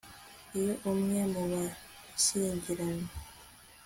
Iyo umwe mu bashyingiranywe